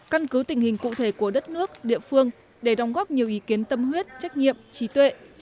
căn cứ tình hình cụ thể của đất nước địa phương để đóng góp nhiều ý kiến tâm huyết trách nhiệm trí tuệ